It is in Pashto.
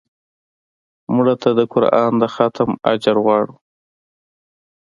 مړه ته د قرآن د ختم اجر غواړو